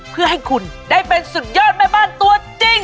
เพื่อให้คุณได้เป็นสุดยอดแม่บ้านตัวจริง